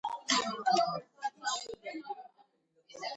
გიგის, ვიტოს, დათუნას, სანდროს და ილიას პრეზიდენტის კარაქი უყვართ